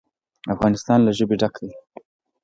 افغانستان له ژبې ډک دی.